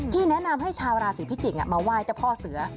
แนะนำให้ชาวราศีพิจิกษ์มาไหว้เจ้าพ่อเสือ